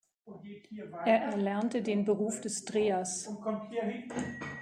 Er erlernte den Beruf des Drehers.